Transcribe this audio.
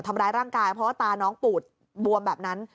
ทำร้ายร่างกายเพราะว่าตาน้องปูดบวมแบบนั้น